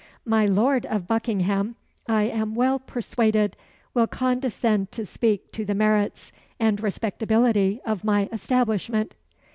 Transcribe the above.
"My lord of Buckingham, I am well persuaded, will condescend to speak to the merits and respectability of my establishment."